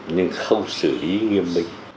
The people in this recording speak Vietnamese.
nhưng không xử lý nghiêm minh